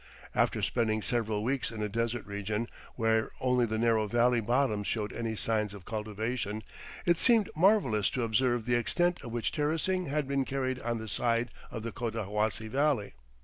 After spending several weeks in a desert region, where only the narrow valley bottoms showed any signs of cultivation, it seemed marvelous to observe the extent to which terracing had been carried on the side of the Cotahuasi Valley.